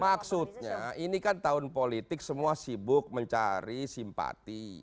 maksudnya ini kan tahun politik semua sibuk mencari simpati